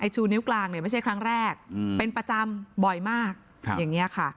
ชูนิ้วกลางไม่ใช่ครั้งแรกเป็นประจำบ่อยมาก